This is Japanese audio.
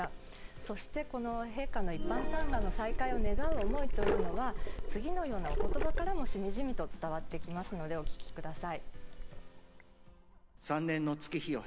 そして、陛下の一般参賀の再開を願う思いというのは次のようなお言葉からもしみじみと伝わってきますのでお聞きください。